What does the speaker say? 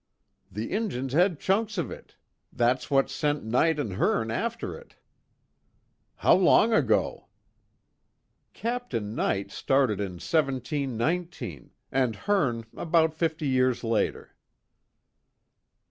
"The Injuns had chunks of it. That's what sent Knight and Hearne after it." "How long ago?" "Captain Knight started in 1719, an' Hearne about fifty years later."